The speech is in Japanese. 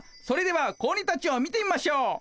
それでは子鬼たちを見てみましょう。